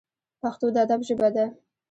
پښتو د ادب ژبه ده